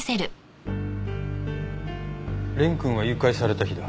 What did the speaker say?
蓮くんが誘拐された日だ。